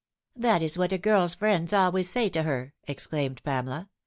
" That is what a girl's friends always say to her," exclaimed Pamela.